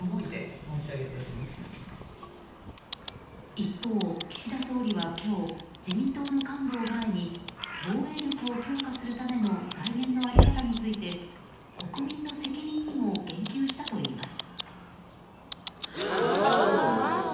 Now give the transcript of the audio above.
一方、岸田総理は今日自民党の幹部を前に防衛力を強化するための財源の在り方について国民の責任にも言及したといいます。